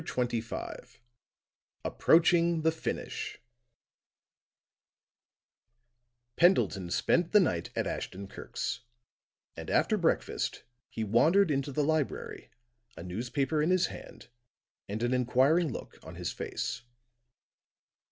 CHAPTER XXV APPROACHING THE FINISH Pendleton spent the night at Ashton Kirk's; and after breakfast he wandered into the library, a newspaper in his hand and an inquiring look on his face.